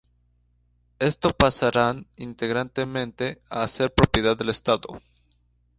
Estos pasarán íntegramente a ser propiedad del Estado.